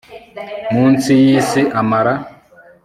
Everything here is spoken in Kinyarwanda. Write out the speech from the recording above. Munsi y isi amara